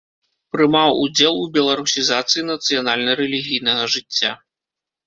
Прымаў удзел у беларусізацыі нацыянальна-рэлігійнага жыцця.